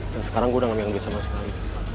dan sekarang gua udah ga ambil duit sama sekali